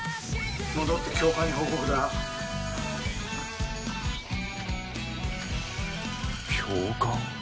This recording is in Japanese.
「戻って教官に報告だ」教官？